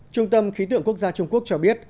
trung tâm khí tượng quốc gia trung quốc cho biết